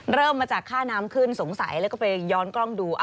เริ่มมาจากค่าน้ำขึ้นสงสัยแล้วก็ไปย้อนกล้องดู